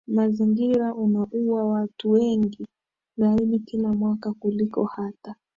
mazingira unaua watu wengi zaidi kila mwaka kuliko hata